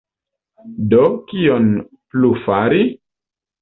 Do, kion plu fari?